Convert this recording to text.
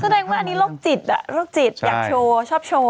ก็ได้ว่าอันนี้ลกจิตลกจิตอยากโชว์ชอบโชว์